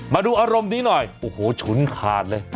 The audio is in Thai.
มาดูอารมณ์นี้หน่อยโอ้โหฉุนขาดเลย